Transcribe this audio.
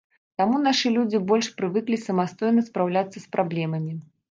Таму нашы людзі больш прывыклі самастойна спраўляцца з праблемамі.